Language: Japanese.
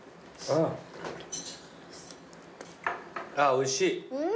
おいしい。